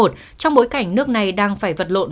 trong bối cảnh nước này đang phải vật lộn